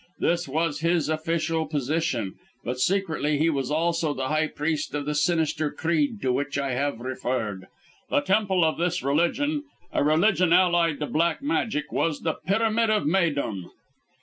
This was his official position, but secretly he was also the high priest of the sinister creed to which I have referred. The temple of this religion a religion allied to Black Magic was the Pyramid of Méydûm.